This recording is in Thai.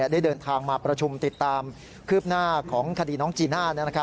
ได้เดินทางมาประชุมติดตามคืบหน้าของคดีน้องจีน่า